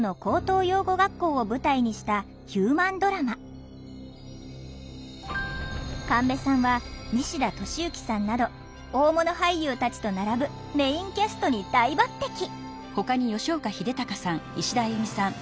北海道の神戸さんは西田敏行さんなど大物俳優たちと並ぶメインキャストに大抜てき！